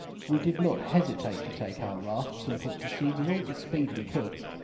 We did not hesitate to take to our rafts, and put to sea with all the speed we could.